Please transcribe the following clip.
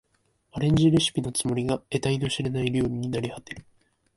アレンジレシピのつもりが得体の知れない料理になりはてる